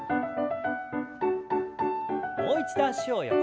もう一度脚を横に。